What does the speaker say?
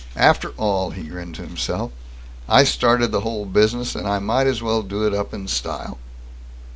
After all, he grinned to himself, I started the whole business, and I might as well do it up in style.